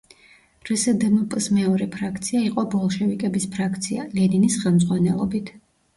რსდმპ-ს მეორე ფრაქცია იყო ბოლშევიკების ფრაქცია, ლენინის ხელმძღვანელობით.